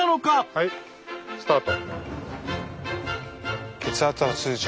はいスタート。